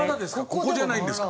ここじゃないんですか。